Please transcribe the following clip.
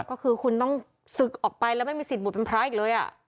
ก็คือคุณต้องศึกออกไปแล้วไม่มีสิทธิบุตรเป็นพระอีกเลย